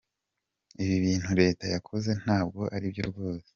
Ibi bintu Leta yakoze ntabwo aribyo rwose.